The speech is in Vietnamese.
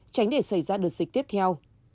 tránh để xảy ra đợt dịch tiếp theo